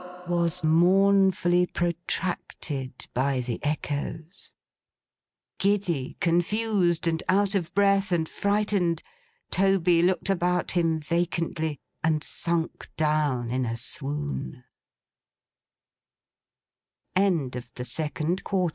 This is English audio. was mournfully protracted by the echoes. Giddy, confused, and out of breath, and frightened, Toby looked about him vacantly, and sunk down in a sw